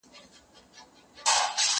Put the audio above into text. دا قلمان له هغو ښه دي!؟